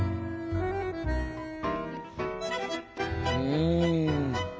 うん！